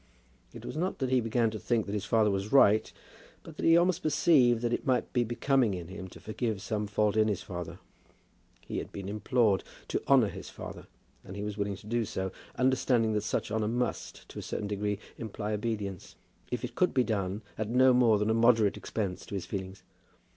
It was not that he began to think that his father was right, but that he almost perceived that it might be becoming in him to forgive some fault in his father. He had been implored to honour his father, and he was willing to do so, understanding that such honour must, to a certain degree, imply obedience, if it could be done at no more than a moderate expense to his feelings.